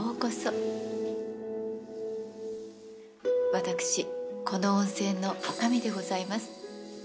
私この温泉の女将でございます。